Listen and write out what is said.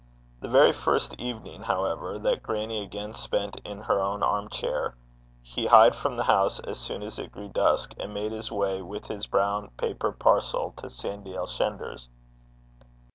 The very first evening, however, that grannie again spent in her own arm chair, he hied from the house as soon as it grew dusk, and made his way with his brown paper parcel to Sandy Elshender's.